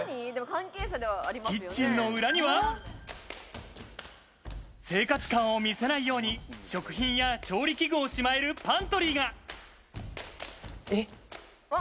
キッチンの裏には、生活感を見せないように、食品や調理器具をしまえるパントリーが。